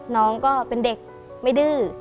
น้องก็เป็นเด็กไม่ดื้อ